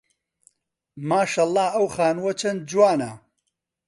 ماشەڵڵا ئەو خانووە چەند جوانە.